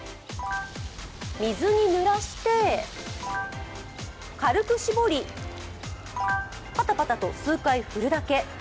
水に濡らして、軽く絞り、パタパタと数回振るだけ。